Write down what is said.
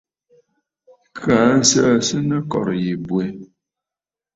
Kaa nsəə sɨ nɨ kɔ̀rə̀ yì bwɛ.